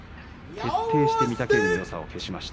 徹底して御嶽海のよさを消しました。